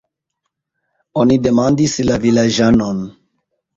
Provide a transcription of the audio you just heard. Oni demandis la vilaĝanon.